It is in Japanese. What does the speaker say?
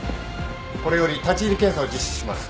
これより立入検査を実施します。